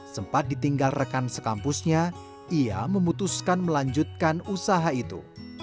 sempat ditinggal rekan sekampusnya ia memutuskan melanjutkan usaha itu